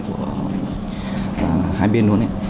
của hai bên luôn